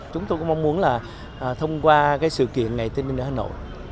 chúng tôi cũng mong muốn thông qua sự kiện ngày tây ninh tại hà nội